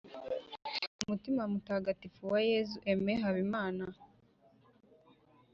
’umutima mutagatifu wa yezu aimé habimana